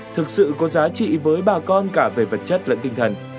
thực sự có giá trị với bà con cả về vật chất lẫn tinh thần